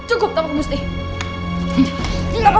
aku tak bisa melakukannya